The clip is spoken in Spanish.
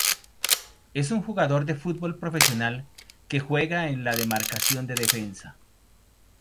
Es un jugador de fútbol profesional que juega en la demarcación de defensa.